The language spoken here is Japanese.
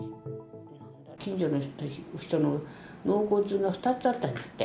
近所の人の納骨が２つあったんだって。